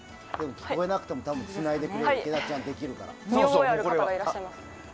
聞こえなくても多分つないでくれることは池田ちゃんできるから。